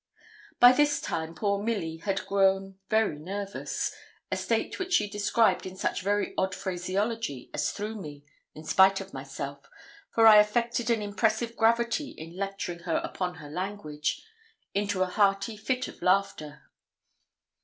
By this time poor Milly had grown very nervous; a state which she described in such very odd phraseology as threw me, in spite of myself for I affected an impressive gravity in lecturing her upon her language into a hearty fit of laughter.